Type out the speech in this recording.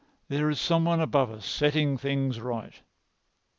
"There is some one above us setting things right."